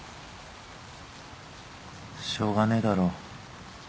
しょうがねえだろ。